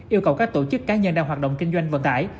yêu cầu các tổ chức cá nhân đang hoạt động kinh doanh vận tải